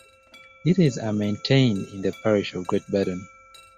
Details are maintained in the parish of Great Burdon.